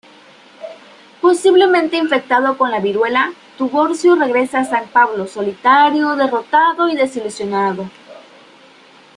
Posiblemente infectado con la viruela, Tiburcio regresa a San Pablo solitario, derrotado y desilusionado.